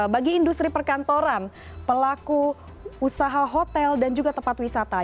bagi industri perkantoran pelaku usaha hotel dan juga tempat wisata